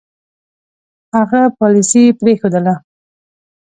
هغه پالیسي پرېښودله.